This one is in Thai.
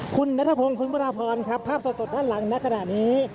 คุณนัทพงศ์คุณวราพรครับภาพสดด้านหลังณขณะนี้